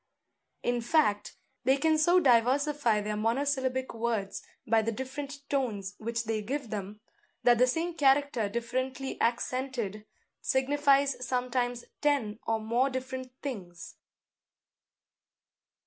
In fact, they can so diversify their monosyllabic words by the different tones which they give them, that the same character differently accented signifies sometimes ten or more different things.